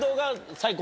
最高。